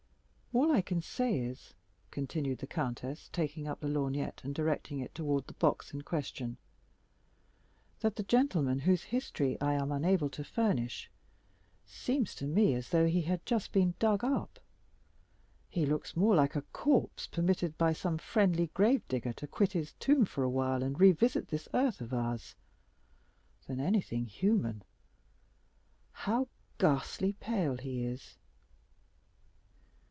"All I can say is," continued the countess, taking up the lorgnette, and directing it toward the box in question, "that the gentleman, whose history I am unable to furnish, seems to me as though he had just been dug up; he looks more like a corpse permitted by some friendly grave digger to quit his tomb for a while, and revisit this earth of ours, than anything human. How ghastly pale he is!"